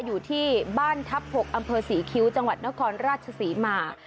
อยู่ที่บ้านทัพ๖อำเภอศรีคิ้วจังหวัดนครราชศรีมา